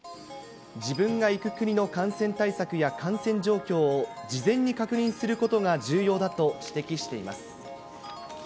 自分が行く国の感染対策や感染状況を、事前に確認することが重要だと指摘しています。